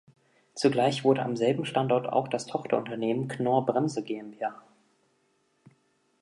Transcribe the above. Zugleich wurde am selben Standort auch das Tochterunternehmen "Knorr-Bremse GmbH.